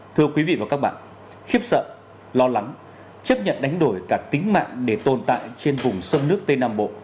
thưa quý vị và các bạn khiếp sợ lo lắng chấp nhận đánh đổi cả tính mạng để tồn tại trên vùng sông nước tây nam bộ